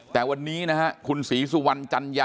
แต่วันนี้นะครับคุณศรีสุวรรณจัญญาครับ